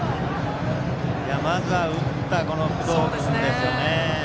まずは打った工藤君ですね。